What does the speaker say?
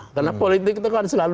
karena politik itu kan selalu ada